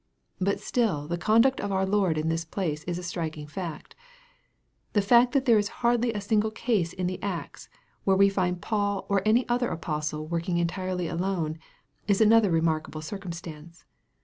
But still the conduct of our Lord in this place is a striking fact The fact that there is hardly a single case in the Acts, where we find Paul or any other apostle working entirely alone, is another remarkable cir cumstance.